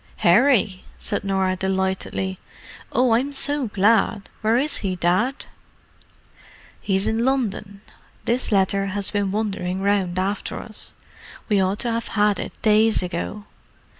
"Harry!" said Norah delightedly. "Oh, I'm so glad! Where is he, Dad?" "He's in London—this letter has been wandering round after us. We ought to have had it days ago.